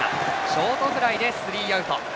ショートフライでスリーアウト。